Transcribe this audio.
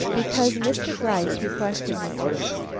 "Because Mr. Gryce requested me to.